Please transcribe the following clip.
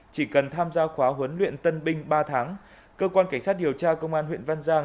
chỉ cần tham gia khóa huấn luyện tân binh ba tháng cơ quan cảnh sát điều tra công an huyện văn giang